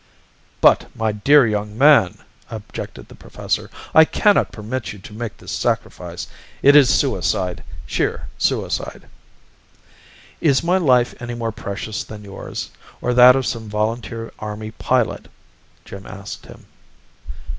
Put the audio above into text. "But, my dear young man!" objected the professor. "I cannot permit you to make this sacrifice. It is suicide, sheer suicide." "Is my life any more precious than yours, or that of some volunteer Army pilot?" Jim asked him.